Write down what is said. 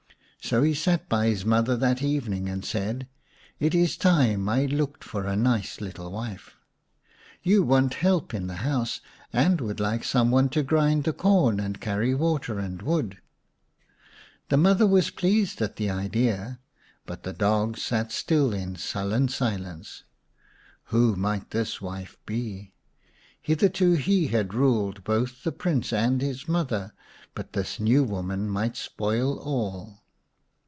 So he sat by his mother that evening and said, " It is time I looked for a nice little wife. You want help in the house, and would like some one to grind the corn and carry water and wood." The mother was pleased at the idea, but the dog sat still in sullen silence. Who might this wife be ? Hitherto he had ruled both the Prince and his mother, but this new woman might spoil all.